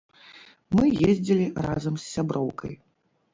Мы ездзілі разам з сяброўкай.